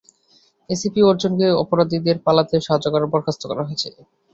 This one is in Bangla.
এসিপি অর্জুন কে অপরাধীদের পালাতে সাহায্য করায় বরখাস্ত করা হয়েছে।